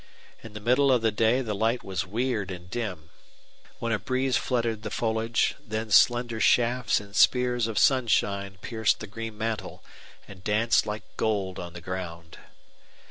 In the middle of the day the light was weird and dim. When a breeze fluttered the foliage, then slender shafts and spears of sunshine pierced the green mantle and danced like gold on the ground.